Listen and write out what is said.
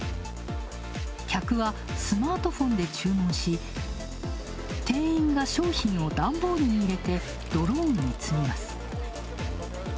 客はスマートフォンで注文し店員が商品を段ボールに入れてドローンに積みます。